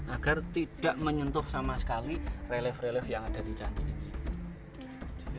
agar tidak menyentuh sama sekali relief relief yang ada di candi ini